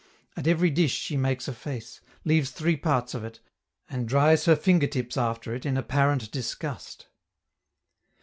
At every dish she makes a face, leaves three parts of it, and dries her finger tips after it in apparent disgust.